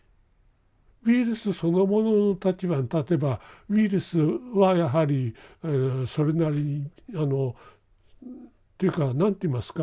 ウイルスそのものの立場に立てばウイルスはやはりそれなりにあのっていうか何て言いますか